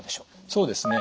そうですね。